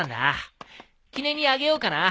記念にあげようかな。